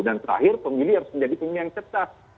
dan terakhir pemilih harus menjadi pemilih yang cerdas